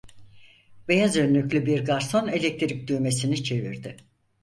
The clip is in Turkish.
Beyaz önlüklü bir garson elektrik düğmesini çevirdi.